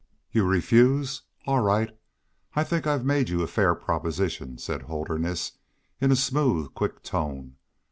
"You refuse? All right. I think I've made you a fair proposition," said Holderness, in a smooth, quick tone.